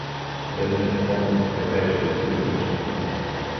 Бедният поп трепереше от студ вече.